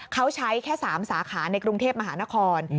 เขาใช้แค่๓สาขาในกรุงเทพมหานคร